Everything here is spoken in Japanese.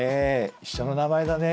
一緒の名前だね。